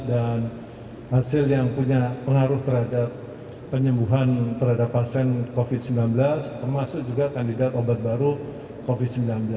dan hasil yang punya pengaruh terhadap penyembuhan terhadap pasien covid sembilan belas termasuk juga kandidat obat baru covid sembilan belas